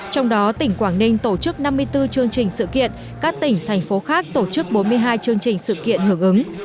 trong đó tỉnh quảng ninh tổ chức năm mươi bốn chương trình sự kiện các tỉnh thành phố khác tổ chức bốn mươi hai chương trình sự kiện hưởng ứng